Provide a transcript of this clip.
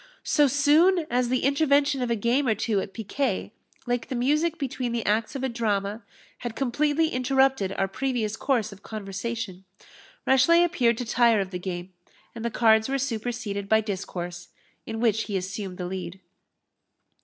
So soon as the intervention of a game or two at piquet, like the music between the acts of a drama, had completely interrupted our previous course of conversation, Rashleigh appeared to tire of the game, and the cards were superseded by discourse, in which he assumed the lead.